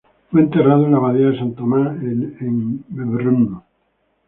Fue enterrado en la Abadía de San Tomás, en Brno.